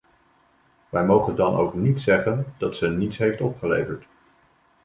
Wij mogen dan ook niet zeggen dat ze niets heeft opgeleverd.